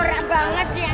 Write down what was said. norak banget sih eh